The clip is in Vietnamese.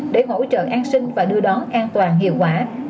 để hỗ trợ an sinh và đưa đón an toàn hiệu quả